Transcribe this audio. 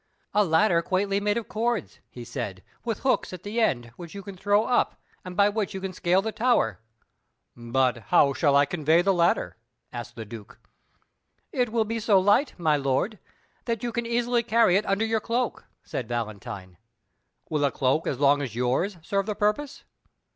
"A ladder quaintly made of cords," he said, "with hooks at the end, which you can throw up, and by which you can scale the tower." "But how shall I convey the ladder?" asked the Duke. "It will be so light, my lord, that you can easily carry it under your cloak," said Valentine. "Will a cloak as long as yours serve the purpose?"